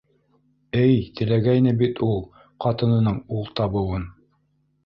Эй теләгәйне бит ул ҡатынының ул табыуын!